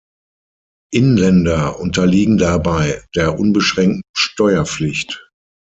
Inländer unterliegen dabei der unbeschränkten Steuerpflicht.